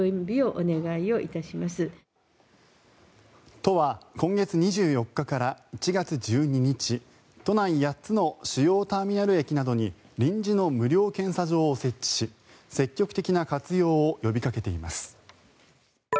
都は今月２４日から１月１２日都内８つの主要ターミナル駅などに臨時の無料検査場を設置し積極的な活用を呼びかけています。